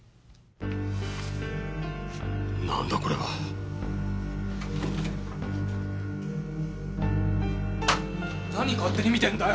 何だこれは？何勝手に見てんだよ！